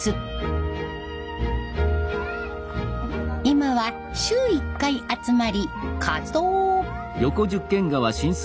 今は週１回集まり活動。